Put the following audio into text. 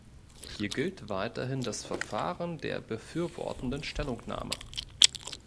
Hier gilt weiterhin das Verfahren der befürwortenden Stellungnahme.